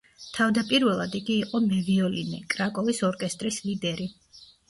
თავდაპირველად, იგი იყო მევიოლინე, კრაკოვის ორკესტრის ლიდერი.